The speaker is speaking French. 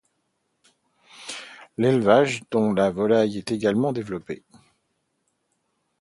L'élevage, dont la volaille, est également développé.